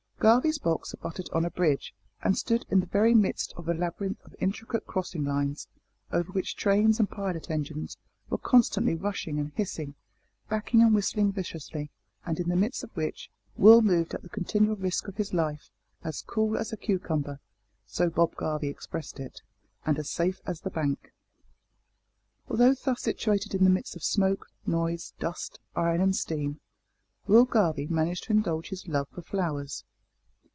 Garvie's box abutted on a bridge, and stood in the very midst of a labyrinth of intricate crossing lines, over which trains and pilot engines were constantly rushing and hissing, backing and whistling viciously, and in the midst of which, Will moved at the continual risk of his life, as cool as a cucumber (so Bob Garvie expressed it), and as safe as the bank. Although thus situated in the midst of smoke, noise, dust, iron, and steam, Will Garvie managed to indulge his love for flowers.